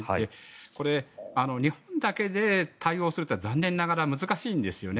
これ、日本だけで対応するというのは残念ながら難しいんですよね。